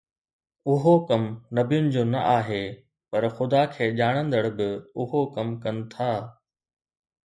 اھو ڪم نبين جو نه آھي، پر خدا کي ڄاڻندڙ به اھو ڪم ڪن ٿا.